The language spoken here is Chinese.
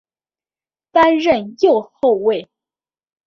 担任右后卫。